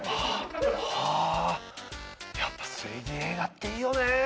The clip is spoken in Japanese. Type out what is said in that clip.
あぁやっぱ３Ｄ映画っていいよね。